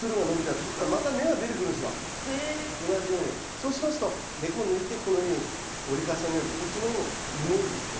そうしますと根っこを抜いてこのように折り重ねるとこっちの方のイモにですね